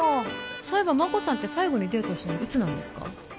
そういえば眞子さんって最後にデートしたのいつなんですか？